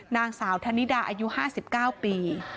นางสาวธนิดาอายุ๕๙ปี